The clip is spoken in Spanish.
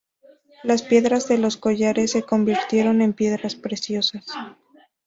Las piedras de los collares se convirtieron en piedras preciosas.